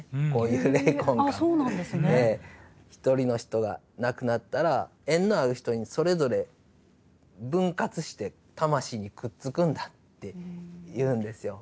一人の人が亡くなったら縁のある人にそれぞれ分割して魂にくっつくんだっていうんですよ。